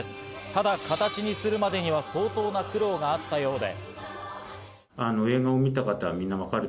ただ形にするまでには相当な苦労があったようで。